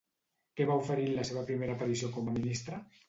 Què va oferir en la seva primera aparició com a ministre?